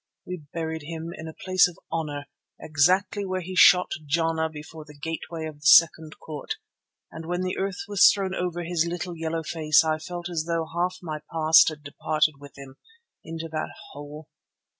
We buried him in a place of honour, exactly where he shot Jana before the gateway of the second court, and when the earth was thrown over his little yellow face I felt as though half my past had departed with him into that hole.